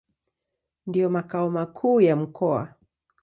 Ndio makao makuu ya mkoa.